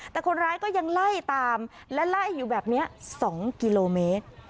แต่คนร้ายก็ยังไล่ตามและไล่อยู่แบบนี้๒กิโลเมตร